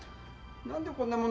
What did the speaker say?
何でこんなもの。